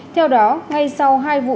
theo đó ngay sau hai vụ